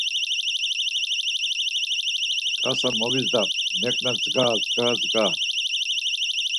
Kasa movizdam neǩna zga zga zga zga!